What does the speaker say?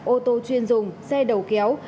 ô tô chuyên dùng xe đầu kéo